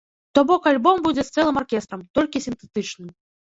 То бок альбом будзе з цэлым аркестрам, толькі сінтэтычным.